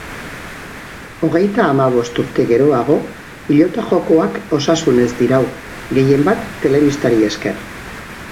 Hogeita hamabost urte geroago, pilota-jokoak osasunez dirau, gehienbat telebistari esker.